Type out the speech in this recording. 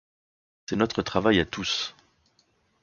C’est notre travail à tous.